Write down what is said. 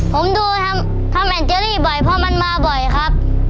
ผมดูทำแอนเจอรี่บ่อยเพราะมันมาบ่อยครับ